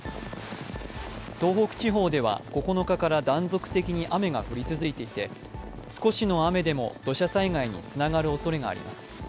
東北地方では９日から断続的に雨が降り続いていて少しの雨でも土砂災害につながるおそれがあります。